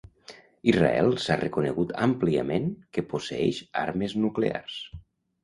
Israel s'ha reconegut àmpliament que posseeix armes nuclears.